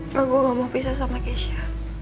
kalau gue gak mau pisah sama keisha